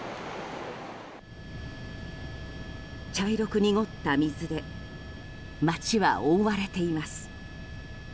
茶色く濁った水で町は覆われています。